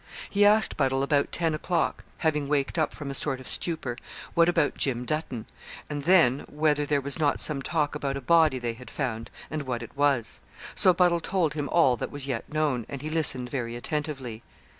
He asked Buddle about ten o'clock (having waked up from a sort of stupor) 'what about Jim Dutton?' and then, whether there was not some talk about a body they had found, and what it was. So Buddle told him all that was yet known, and he listened very attentively.